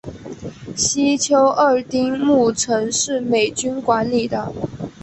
西丘二丁目曾是美军管理的。